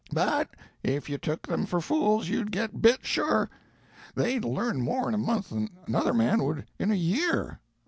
But if you took them for fools you'd get bit, sure. They'd learn more in a month than another man would in a year.